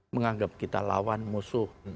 menganggap kita lawan musuh